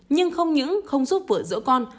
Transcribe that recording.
nhưng không những không giúp vỡ rỡ con